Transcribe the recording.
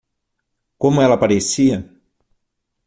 Como ela parecia?